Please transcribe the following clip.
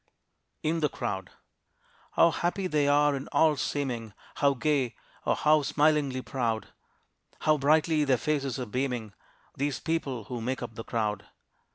IN THE CROWD. How happy they are, in all seeming, How gay, or how smilingly proud, How brightly their faces are beaming, These people who make up the crowd.